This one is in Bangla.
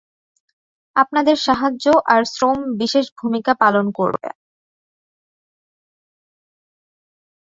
আপনাদের সাহায্য আর শ্রম বিশেষ ভূমিকা পালন করবে।